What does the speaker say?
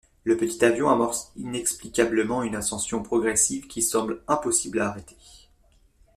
Le petit avion amorce inexplicablement une ascension progressive qui semble impossible à arrêter.